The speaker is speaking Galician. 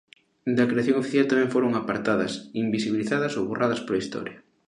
Da creación oficial tamén foron apartadas, invisibilizadas ou borradas pola historia.